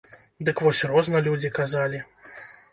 Дык вось розна людзі казалі.